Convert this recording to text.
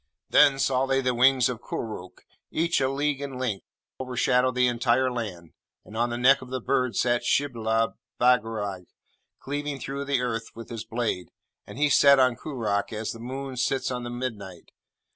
Then saw they the wings of Koorookh, each a league in length, overshadow the entire land, and on the neck of the bird sat Shibli Bagarag cleaving through the earth with his blade, and he sat on Koorookh as the moon sits on the midnight.